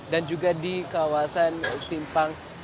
dan juga di kawasan simpang